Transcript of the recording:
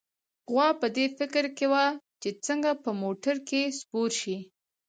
غوا په دې فکر کې وه چې څنګه په موټر کې سپور شي.